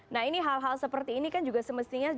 nah ini hal hal seperti ini kan juga semestinya